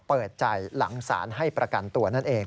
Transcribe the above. เปิดใจหลังสารให้ประกันตัวนั่นเอง